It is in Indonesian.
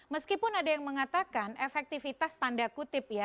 meskipun ada yang mengatakan efektivitas tanda kutip ya